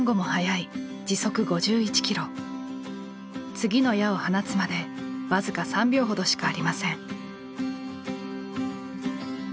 次の矢を放つまで僅か３秒ほどしかありません。